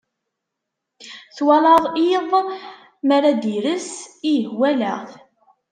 Twalaḍ iḍ mi ara d-ires? Ih walaɣ-t.